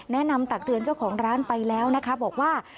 ตักเตือนเจ้าของร้านไปแล้วนะคะบอกว่า